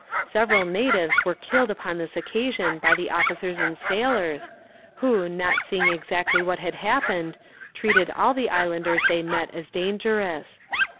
Several natives were killed upon this occasion by the officers and sailors, who, not seeing exactly what had happened, treated all the islanders they met as dangerous.